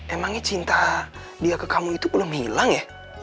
emangnya cinta dia ke kamu itu belum hilang ya